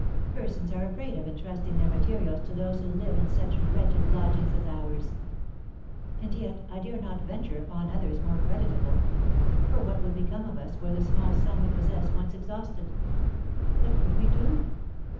Persons are afraid of entrusting their materials to those who live in such wretched lodgings as ours. And yet I dare not venture upon others more creditable; for what would become of us were the small sum we possess once exhausted? What could we do?